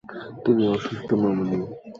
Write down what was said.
তুমি অসুস্থ, মামণি।